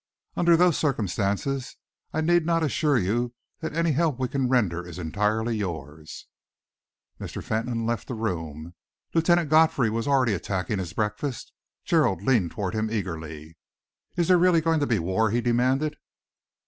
Under those circumstances, I need not assure you that any help we can render is entirely yours." Mr. Fentolin left the room. Lieutenant Godfrey was already attacking his breakfast. Gerald leaned towards him eagerly. "Is there really going to be war?" he demanded.